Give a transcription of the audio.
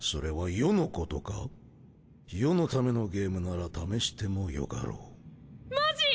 余のためのゲームなら試してもよかろうマジ？